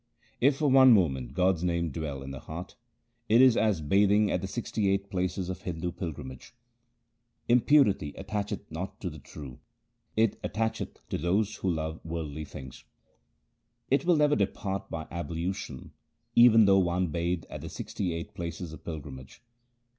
If for one moment God's name dwell in the heart, it is as bathing at the sixty eight places of Hindu pilgrimage. Impurity attacheth not to the true ; it attacheth to those who love worldly things. It will never depart by ablution even though one bathe at the sixty eight places of pilgrimage.